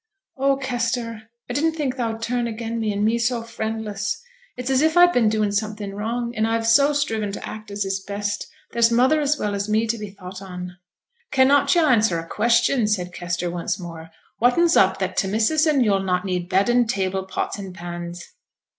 'Oh, Kester, I didn't think thou'd turn again' me, and me so friendless. It's as if I'd been doin' something wrong, and I have so striven to act as is best; there's mother as well as me to be thought on.' 'Cannot yo' answer a question?' said Kester, once more. 'Whatten's up that t' missus and yo'll not need bed and table, pots and pans?'